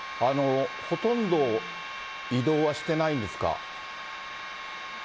ほとんど移動はしてないんですか。